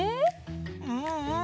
うんうん！